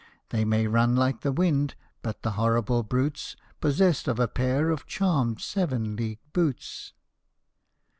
They may run like the wind but the horrible brute's Possessed of a pair of charmed Seven League Boots